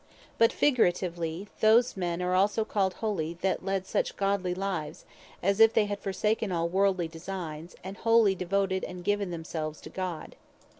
But figuratively, those men also are called Holy, that led such godly lives, as if they had forsaken all worldly designes, and wholly devoted, and given themselves to God.